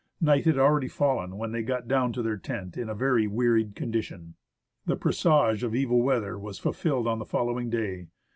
Night had already fallen when they got down to their tent in a very wearied condition. The presage of evil weather was fulfilled on the following day.